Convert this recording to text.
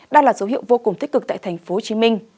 đã là dấu hiệu vô cùng tích cực tại tp hcm